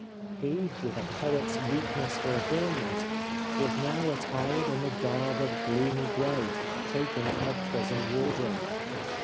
He, with a poet's weakness for adornment, was now attired in the garb of gloomy grey, taken from a prison ward robe.